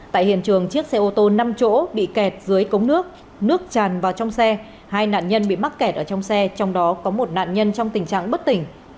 tại hiện trường chiếc xe ô tô năm chỗ bị kẹt dưới cống nước nước tràn vào trong xe hai nạn nhân bị mắc kẹt ở trong xe trong đó có một nạn nhân trong tình trạng bất tỉnh